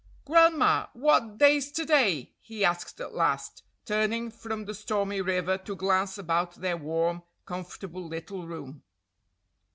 "Gran'ma, what day's to day?" he asked at last, turning from the stormy river to glance about their warm, comfortable little room.